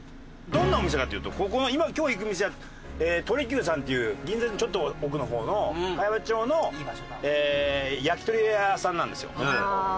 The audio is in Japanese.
どんなお店かというと今日行く店は鳥久さんっていう銀座のちょっと奥の方の茅場町の焼き鳥屋さんなんですよ。